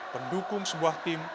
pendukung sebuah tim